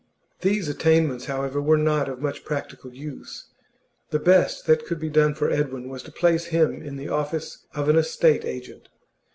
These attainments, however, were not of much practical use; the best that could be done for Edwin was to place him in the office of an estate agent.